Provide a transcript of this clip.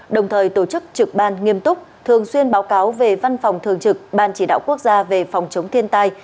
đồng thời tổ chức trực ban nghiêm túc thường xuyên báo cáo về văn phòng thường trực ban chỉ đạo quốc gia về phòng chống thiên tai